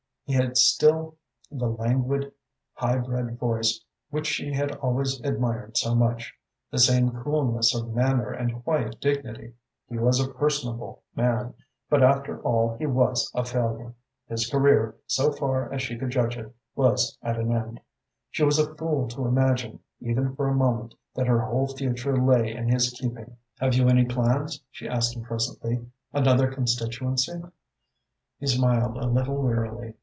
He had still the languid, high bred voice which she had always admired so munch, the same coolness of manner and quiet dignity. He was a personable man, but after all he was a failure. His career, so far as she could judge it, was at an end. She was a fool to imagine, even for a moment, that her whole future lay in his keeping. "Have you any plans?" she asked him presently. "Another constituency?" He smiled a little wearily.